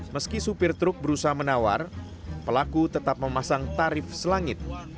meski supir truk berusaha menawar pelaku tetap memasang tarif selangit